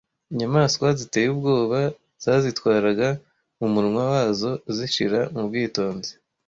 Inyamaswa ziteye ubwoba zazitwaraga mumunwa wazo zishira mubwitonzi.